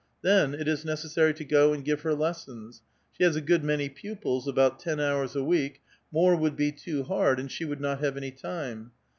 Then it is necessary to go and give her lessons ; she lias a good many pupils, about ten hours a week ; more would be too hard, and she would not have any time.